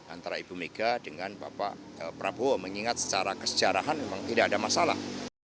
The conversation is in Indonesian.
antara ibu mega dengan bapak prabowo mengingat secara kesejarahan memang tidak ada masalah